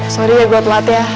sorry ya gue telat ya